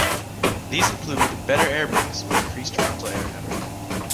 These included better air-brakes with an increased frontal area.